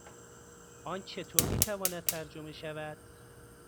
آن چطور می تواند ترجمه شود؟